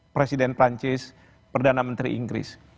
presiden perancis perdana menteri inggris